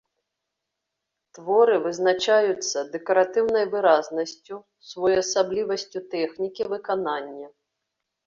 Творы вызначаюцца дэкаратыўнай выразнасцю, своеасаблівасцю тэхнікі выканання.